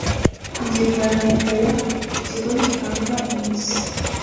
Ingingo ya mbere Ikigo gitanga impusa